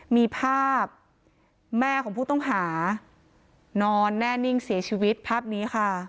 มีภาพแม่ของผู้ต้องหานอนแน่นิ่งเสียชีวิตภาพนี้ค่ะ